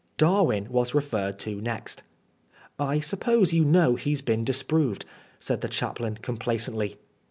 Darwin was referred to next. " I suppose you know he*s been disproved," said the chaplain, complacently.